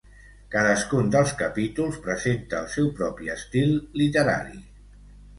Cadascun dels capítols presenta el seu propi estil literari.